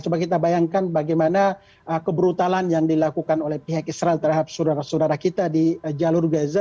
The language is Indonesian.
coba kita bayangkan bagaimana kebrutalan yang dilakukan oleh pihak israel terhadap saudara saudara kita di jalur gaza